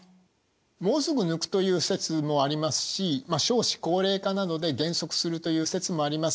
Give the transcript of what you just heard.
もうすぐ抜くという説もありますし少子高齢化などで減速するという説もあります。